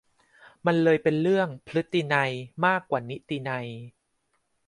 มันเลยเป็นเรื่อง"พฤตินัย"มากกว่านิตินัย